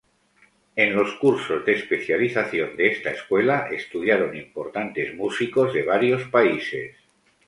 En los cursos de especialización de esta escuela estudiaron importantes músicos de varios países.